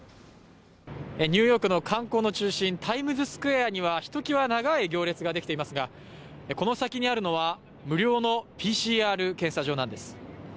ニューヨークの観光の中心、タイムズスクエアにはひときわ長い行列ができていますが、この先にあるのは無料のＰＣＲ検査場なんです。